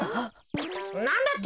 なんだって！